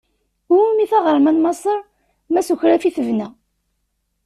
I wumi taɣerma n Maṣaṛ ma s ukraf i tebna.